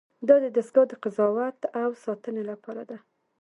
دا دستگاه د قضاوت او ساتنې لپاره ده.